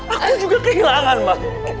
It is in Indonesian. aku juga kehilangan ma